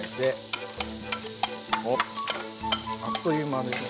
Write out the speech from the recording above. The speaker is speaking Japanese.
あっという間に。